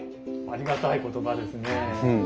ありがたい言葉ですね。